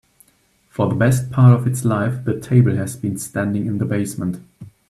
For the best part of its life, the table has been standing in the basement.